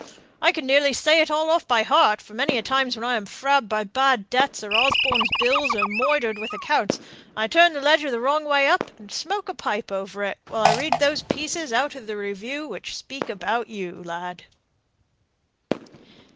I can nearly say it all off by heart, for many a time when I'm frabbed by bad debts, or Osborne's bills, or moidered with accounts, I turn the ledger wrong way up, and smoke a pipe over it, while I read those pieces out of the review which speak about you, lad!"